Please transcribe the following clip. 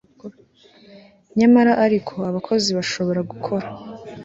nyamara ariko abakozi bashobora gukora